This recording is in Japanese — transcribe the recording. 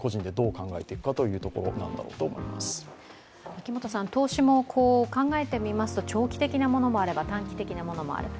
秋元さん、投資も考えてみますと長期的なものもあれば短期的なものもある。